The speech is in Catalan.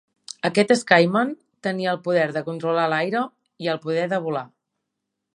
Aquest Skyman tenia el poder de controlar l'aire i el poder de volar.